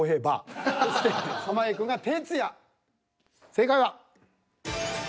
正解は。